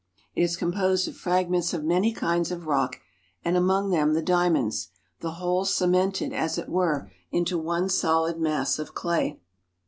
It is composed of fragments of many kinds of rock and among them the diamonds, the whole cemented, as it were, into one solid mass of clay.